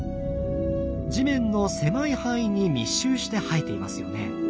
地面の狭い範囲に密集して生えていますよね。